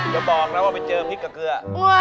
จะบอกแล้วว่าไปเจอพริกกับเกลือ